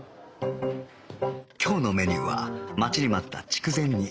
今日のメニューは待ちに待った筑前煮